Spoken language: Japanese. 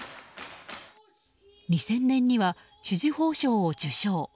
２０００年には紫綬褒章を受章。